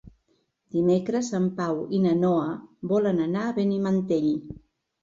Dimecres en Pau i na Noa volen anar a Benimantell.